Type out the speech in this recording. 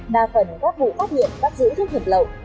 đa phần các vụ phát hiện bắt giữ thuốc nhập lậu